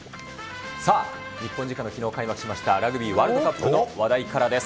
さあ、日本時間のきのう開幕しました、ラグビーワールドカップの話題からです。